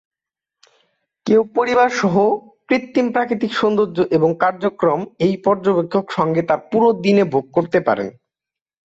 কেউ পরিবার সহ কৃত্রিম প্রাকৃতিক সৌন্দর্য এবং কার্যক্রম এই পর্যবেক্ষক সঙ্গে তার পুরো দিনে ভোগ করতে পারেন।